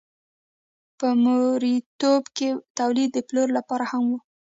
په مرئیتوب کې تولید د پلورلو لپاره هم و.